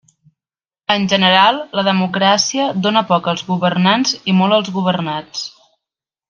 En general, la democràcia dóna poc als governants i molt als governats.